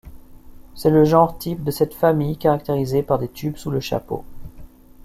C'est le genre type de cette famille caractérisée par des tubes sous le chapeau.